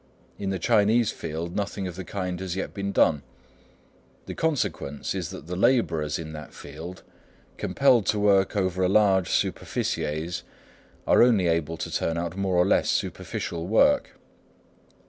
In the Chinese field nothing of the kind has yet been done. The consequence is that the labourers in that field, compelled to work over a large superficies, are only able to turn out more or less superficial work.